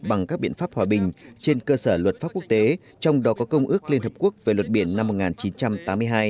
bằng các biện pháp hòa bình trên cơ sở luật pháp quốc tế trong đó có công ước liên hợp quốc về luật biển năm một nghìn chín trăm tám mươi hai